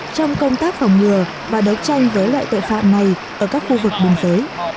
trong công tác phòng ngừa và đấu tranh với loại tội phạm này ở các khu vực bình phế